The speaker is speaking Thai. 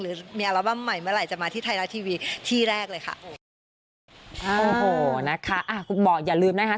หรือมีอัลบั้มใหม่เมื่อไหร่จะมาที่ไทยรัฐทีวีที่แรกเลยค่ะ